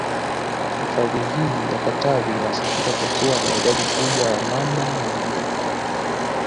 Hifadhi hii ya Katavi inasifika kwa kuwa na idadi kubwa ya Mamba na voboko